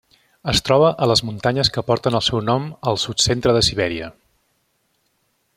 Es troba a les muntanyes que porten el seu nom al sud-centre de Sibèria.